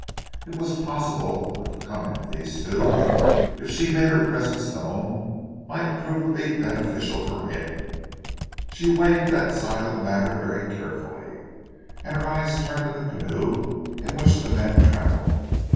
It was possible that the coming of these two, if she made her presence known, might prove to be beneficial for him. She weighed that side of the matter very carefully, and her eyes turned to the canoe in which the men travelled.